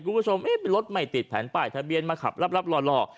กูก็ชมให้รถไม่ติดแผนป้ายทะเบียนมาขับรับรับรอลอก